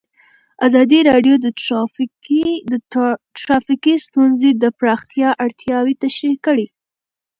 ازادي راډیو د ټرافیکي ستونزې د پراختیا اړتیاوې تشریح کړي.